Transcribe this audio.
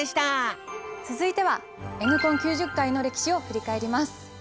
続いてはＮコン９０回の歴史を振り返ります。